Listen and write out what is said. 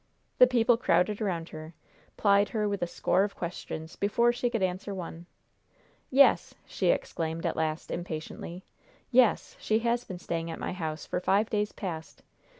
The people crowded around her, plied her with a score of questions before she could answer one. "Yes!" she exclaimed, at last, impatiently. "Yes! She has been staying at my house for five days past.